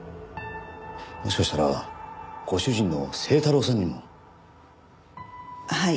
もしかしたらご主人の清太郎さんにも？はい。